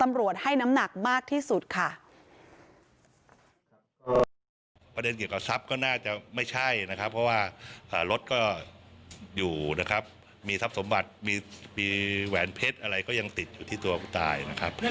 ไม่ใช่นะครับเพราะว่ารถก็อยู่นะครับมีทัพสมบัติมีแหวนเพชรอะไรก็ยังติดอยู่ที่ตัวตายนะครับ